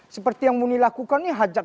seperti yang muni lakukan ini hajat